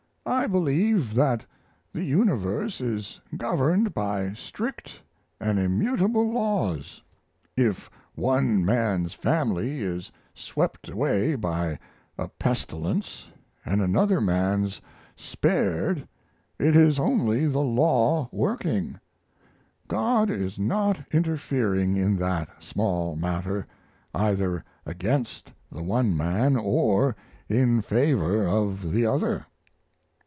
I believe that the universe is governed by strict and immutable laws: If one man's family is swept away by a pestilence and another man's spared it is only the law working: God is not interfering in that small matter, either against the one man or in favor of the other.